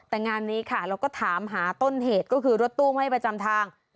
แต่งานนี้ค่ะเราก็ถามหาต้นเหตุก็คือรถตู้ไม่ประจำทาง